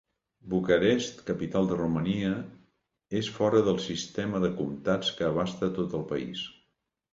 Bucarest, capital de Romania, és fora del sistema de comtats que abasta tot el país.